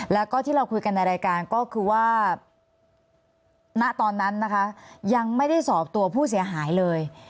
แล้วก็ที่เราคุยกันในรายการก็คือว่าณตอนนั้นนะคะยังไม่ได้สอบตัวผู้เสียหายเลย